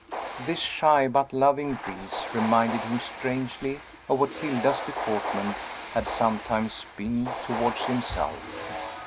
This shy but loving breeze reminded him strangely of what Hilda's deportment had sometimes been towards himself.